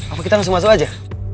apa kita langsung masuk aja